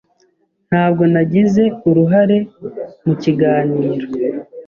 Ntabwo nagize uruhare mu kiganiro.